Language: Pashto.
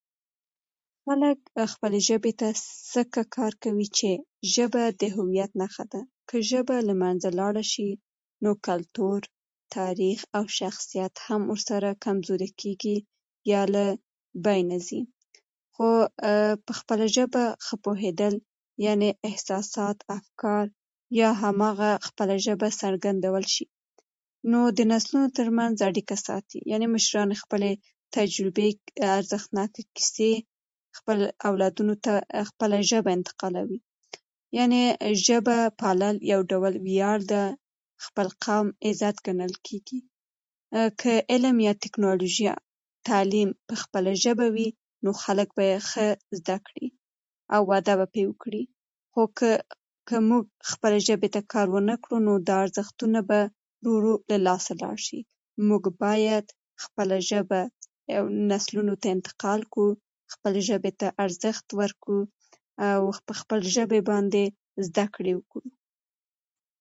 خلک خپلې ژبې ته ځکه کار کوي چې ژبه د هويت نښه ده. که ژبه له منځه لاړه شي، نو کلتور، تاریخ او شخصيت هم ورسره کمزوری کېږي، یا له منځه ځي. په ممممممم خپله ژبه ښه پوهېدل، یعنې احساسات، افکار يا خپله هماغه ژبه څرګندولی شي. نو د نسلونو تر منځ اړيکه ساتي؛ یعنې د مشرانو خپلې تجربې، ارزښتناکې کیسې، خپل اولادونو ته خپله ژبه انتقالوي. یعنې ژبه پالل یو ډول ویاړ ده، د خپل قوم عزت ګڼل کېږي. که علم یا تکنالوژي، تعليم په خپله ژبه وي، نو خلک به یې ښه زده کړي، او وده به پرې وکړي. خو که موږ خپلې ژبې ته کار ونه کړو، نو دا ارزښتونه ورو ورو له لاسه لاړ شي. نو موږ باید خپله ژبه نسلونو ته انتقال کړو، خپلې ژبې ته ارزښت ورکړو، او په خپلې ژبې باندې زده کړې وکړو.